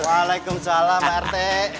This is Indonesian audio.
alaikum salam rt